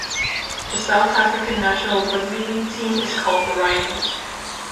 The South African national rugby league team is called the Rhinos.